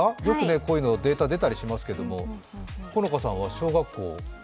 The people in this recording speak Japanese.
こういうのデータ出たりしますけれども好花さんは小学校？